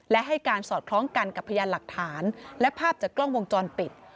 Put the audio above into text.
และให้การสอดคล้องกันกับพยานหลักฐานและภาพจากกล้องวงจรปิด